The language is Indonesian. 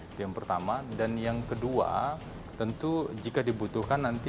itu yang pertama dan yang kedua tentu jika dibutuhkan nanti